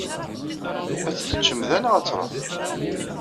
Ad tt-teččemt da neɣ ad tṛuḥ?